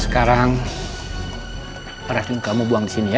sekarang perhatian kamu buang di sini ya